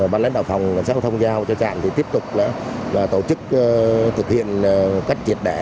ban lãnh đạo phòng xã hội thông giao cho trạng thì tiếp tục tổ chức thực hiện cách triệt đẻ